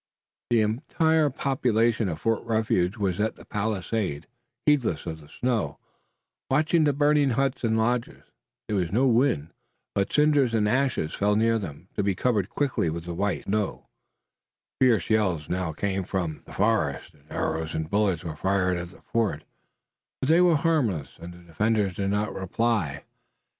The entire population of Fort Refuge was at the palisade, heedless of the snow, watching the burning huts and lodges. There was no wind, but cinders and ashes fell near them, to be covered quickly with white. Fierce yells now came from the forest and arrows and bullets were fired at the fort, but they were harmless and the defenders did not reply.